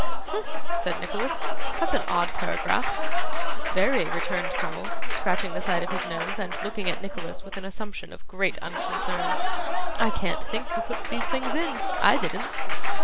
Humph!' said Nicholas, 'that's an odd paragraph.' 'Very,' returned Crummles, scratching the side of his nose, and looking at Nicholas with an assumption of great unconcern. 'I can't think who puts these things in. I didn't.